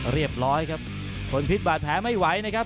เรียบร้อยครับทนพิษบาดแผลไม่ไหวนะครับ